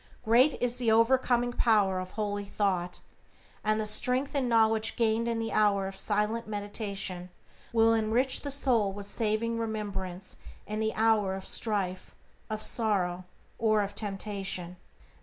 Great is the overcoming power of holy thought, and the strength and knowledge gained in the hour of silent meditation will enrich the soul with saving remembrance in the hour of strife, of sorrow, or of temptation.